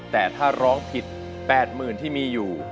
แต่ถ้าร้องผิด๘๐๐๐ที่มีอยู่